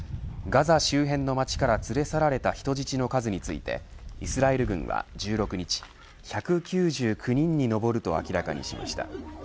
ガザ周辺の町から連れ去られた人質の数についてイスラエル軍は１６日１９９人に上ると明らかにしました。